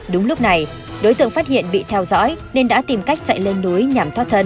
đúng lúc này đối tượng phát hiện bị theo dõi nên đã tìm cách chạy lên núi nhằm thoát thân